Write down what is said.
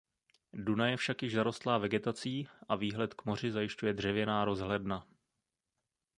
Duna je však již zarostlá vegetací a výhled k moři zajišťuje dřevěná rozhledna.